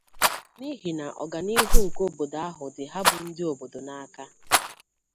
n’ihi na ọganihu nke obodo ahụ dị ha bụ ndị obodo n'aka.